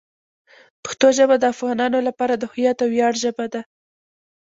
پښتو ژبه د افغانانو لپاره د هویت او ویاړ ژبه ده.